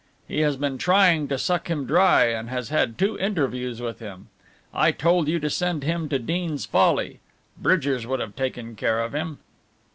He has been trying to suck him dry, and has had two interviews with him. I told you to send him to Deans Folly. Bridgers would have taken care of him."